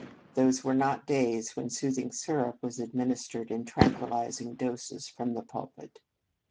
Those were not days when soothing syrup was administered in tranquillizing doses from the pulpit.